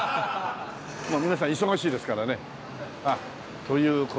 まあ皆さん忙しいですからね。あっという事で。